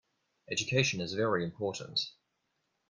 Education is very important.